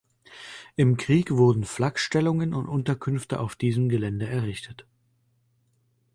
Im Krieg wurden Flakstellungen und Unterkünfte auf diesem Gelände errichtet.